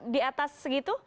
di atas segitu